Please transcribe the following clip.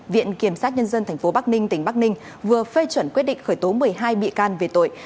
viện kiểm sát nhân dân tp bắc ninh tỉnh bắc ninh vừa phê chuẩn quyết định khởi tố một mươi hai bị can về tội